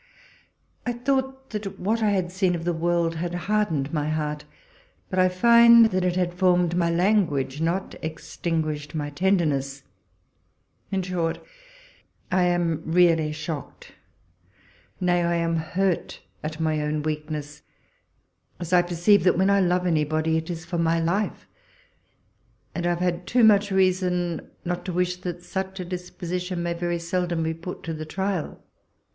I thought that what I had seen of the world had hardened my heart ; but I find that it had formed my language, not ex tinguished my tenderness. In short, I am really shocked— nay, I am hurt at my own weakness, as I perceive that when I love anybody, it is for walpole's letters. lo" my life ; and I have had too much reason not to wish that such a disposition may very seldom be put to the trial.